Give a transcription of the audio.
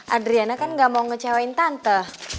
adriana kan gak mau ngecewain tante